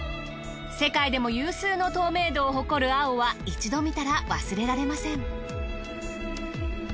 世界でも有数の透明度を誇る青は一度見たら忘れられません。